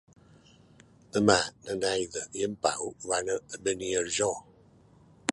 Demà na Neida i en Pau van a Beniarjó.